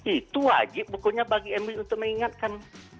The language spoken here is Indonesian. itu wajib bukunya bagi mui untuk mengingatkan